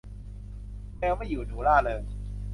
แมวไม่อยู่หนูร่าเริง